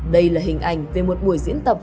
đây là hình ảnh về một buổi diễn tập